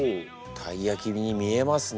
たいやきに見えますね。